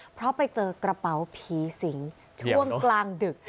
เพราะไปเจอกระเป๋าผีสิงช่วงกลางดึก